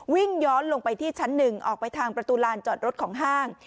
วิ่งย้อนลงไปที่ชั้น๑ออกไปทางประตูลานจอดรถของห้าง